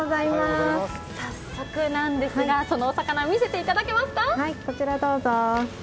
早速なんですが、そのお魚見せていただけますか？